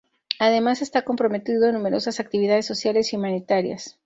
Además está comprometido en numerosas actividades sociales y humanitarias.